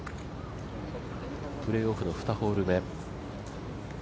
プレーオフの２ホール目。